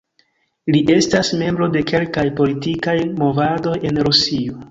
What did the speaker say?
Li estas membro de kelkaj politikaj movadoj en Rusio.